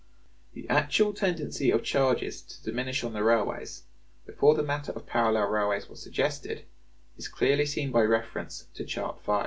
The actual tendency of charges to diminish on the railways, before the matter of parallel railways was suggested is clearly seen by reference to Chart V (p.